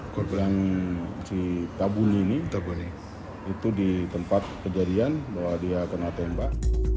korban si tabuni ini itu di tempat kejadian bahwa dia kena tembak